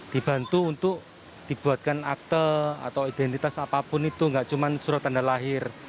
dibantu untuk dibuatkan akte atau identitas apapun itu nggak cuma surat tanda lahir